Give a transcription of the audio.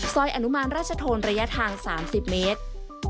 ซอยอนุมารราชธรรมระยะทาง๓๐เมตร